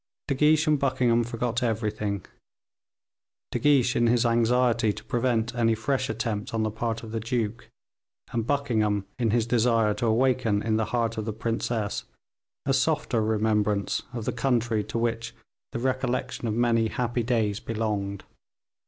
De Guiche and Buckingham forgot everything; De Guiche in his anxiety to prevent any fresh attempts on the part of the duke, and Buckingham, in his desire to awaken in the heart of the princess a softer remembrance of the country to which the recollection of many happy days belonged.